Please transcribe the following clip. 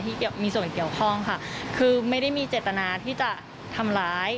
ที่มีส่วนเกี่ยวข้องค่ะคือไม่ได้มีเจตนาที่จะทำร้าย